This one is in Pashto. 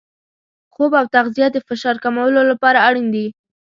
خوب او تغذیه د فشار کمولو لپاره اړین دي.